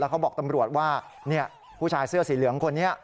เขาบอกตำรวจว่าผู้ชายเสื้อสีเหลืองคนนี้